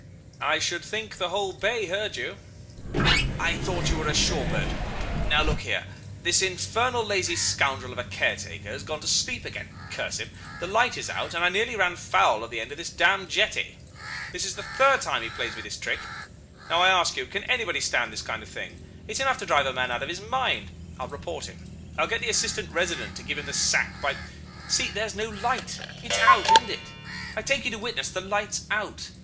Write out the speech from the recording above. "'I should think the whole bay heard you.' "'I thought you were a shore boat. Now, look here this infernal lazy scoundrel of a caretaker has gone to sleep again curse him. The light is out, and I nearly ran foul of the end of this damned jetty. This is the third time he plays me this trick. Now, I ask you, can anybody stand this kind of thing? It's enough to drive a man out of his mind. I'll report him.... I'll get the Assistant Resident to give him the sack, by... See there's no light. It's out, isn't it? I take you to witness the light's out.